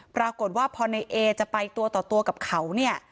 ปรากฏว่าพอในเอจะไปตัวต่อตัวกับเขาเนี่ย